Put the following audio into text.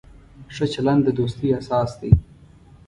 ښه چلند د دوستۍ اساس دی.